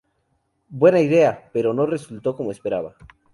Buena idea... pero no resultó como esperaba.